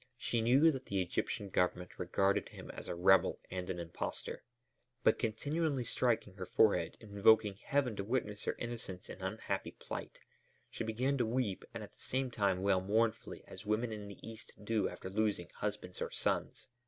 She knew that the Egyptian Government regarded him as a rebel and an imposter. But continually striking her forehead and invoking heaven to witness her innocence and unhappy plight, she began to weep and at the same time wail mournfully as women in the East do after losing husbands or sons.